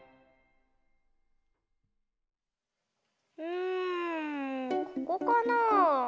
うんここかな？